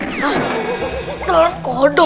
hah telur kodok